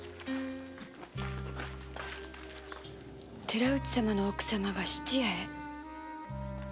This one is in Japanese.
寺内様の奥様が質屋へ？